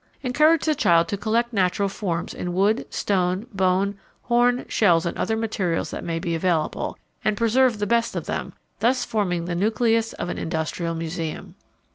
Encourage the child to collect natural forms in wood, stone, bone, horn, shells, and other materials that may be available, and preserve the best of them, thus forming the nucleus of an industrial museum.